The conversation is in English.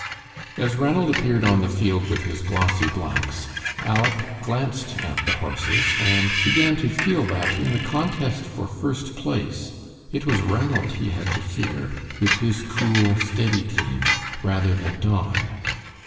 As Ranald appeared on the field with his glossy blacks, Aleck glanced at the horses, and began to feel that, in the contest for first place, it was Ranald he had to fear, with his cool, steady team, rather than Don.